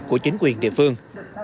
của chính quyền địa phương